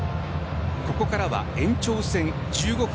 ここからは延長戦１５分